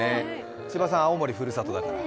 千葉さん、青森、ふるさとだから。